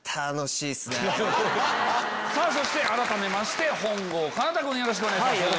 そして改めまして本郷奏多君お願いします。